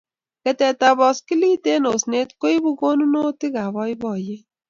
Keteetab baskilit eng osneet koibu konokutik ak boiboiyeet